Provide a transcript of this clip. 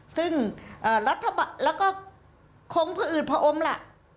ซึ่งแล้วก็โครงพระอืดพระอมละ